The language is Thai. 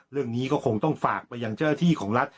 เรื่องนี้ก็คงต้องฝากไปยังเจ้าที่ของรัฐ